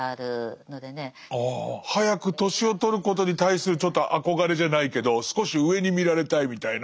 ああ早く年を取ることに対するちょっと憧れじゃないけど少し上に見られたいみたいな。